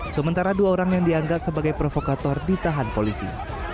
sementara dua orang yang dianggap sebagai provokator ditahan polisi